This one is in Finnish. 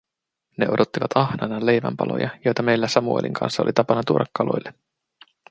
Ne odottivat ahnaina leivän paloja, joita meillä Samuelin kanssa oli tapana tuoda kaloille.